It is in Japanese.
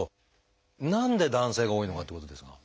何で男性が多いのかっていうことですが。